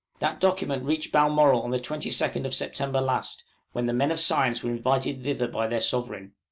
That document reached Balmoral on the 22nd of September last, when the men of science were invited thither by their Sovereign.